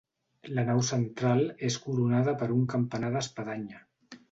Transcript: La nau central és coronada per un campanar d'espadanya.